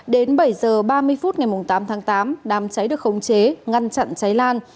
đến bảy giờ ba mươi phút ngày tám tháng tám đám cháy được khống chế ngăn chặn cháy lan